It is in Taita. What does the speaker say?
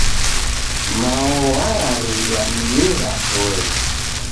Mao wararudwa ni migha toe.